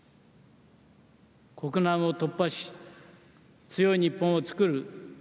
国難を突破し強い日本を作る。